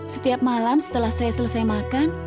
setiap malam setelah saya selesai makan